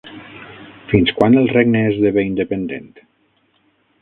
Fins quan el regne esdevé independent?